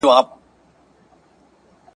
ریښتیا زوال نه لري